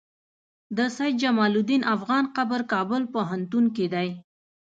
د سيد جمال الدين افغان قبر کابل پوهنتون کی دی